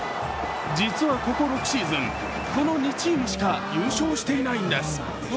実は、ここ６シーズン、この２チームしか優勝していないんです